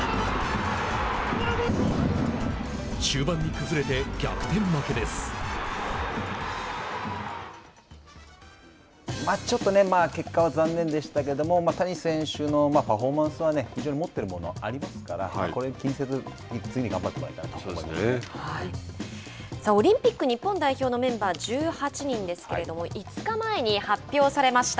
終盤に崩れてちょっと結果は残念でしたけれども谷選手のパフォーマンスは非常に持っているものがありますから気にせず次に頑張ってもらえたらとオリンピック日本代表のメンバー１８人ですけれども５日前に発表されました。